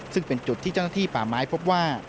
ซึ่งเป็นจุดที่เจ้าหน้าที่ป่าไม้พบว่า